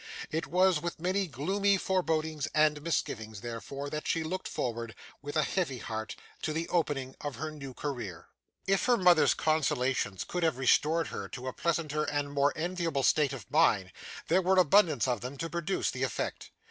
It was with many gloomy forebodings and misgivings, therefore, that she looked forward, with a heavy heart, to the opening of her new career. If her mother's consolations could have restored her to a pleasanter and more enviable state of mind, there were abundance of them to produce the effect.